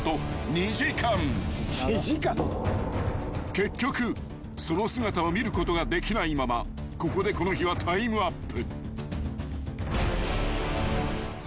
［結局その姿を見ることができないままここでこの日はタイムアップ］